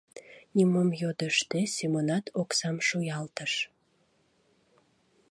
Нимом йодыштде, Семонат оксам шуялтыш.